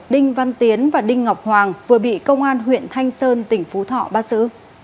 đinh văn tiến và đinh ngọc hoàng vừa bị công an huyện thanh sơn tỉnh phú thọ bắt xử